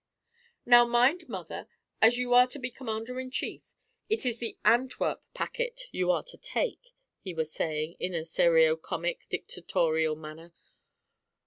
"Now, mind, mother, as you are to be commander in chief, it is the Antwerp packet you are to take," he was saying, in a serio comic, dictatorial manner.